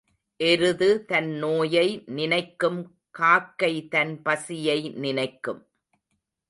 எருது தன் நோயை நினைக்கும் காக்கை தன் பசியை நினைக்கும்.